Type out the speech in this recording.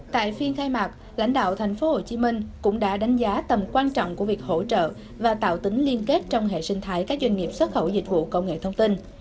tại phiên khai mạc lãnh đạo thành phố hồ chí minh cũng đã đánh giá tầm quan trọng của việc hỗ trợ và tạo tính liên kết trong hệ sinh thái các doanh nghiệp xuất khẩu dịch vụ công nghệ thông tin